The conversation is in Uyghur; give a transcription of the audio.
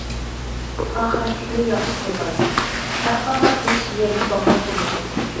ئاخىرەتلىكىنى ياخشى قىلغاي. ھەر قانداق ئىش نىيەتكە باغلىق بولىدۇ.